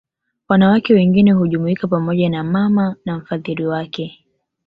Wanawake wengine hujumuika pamoja na mama na mfadhili wake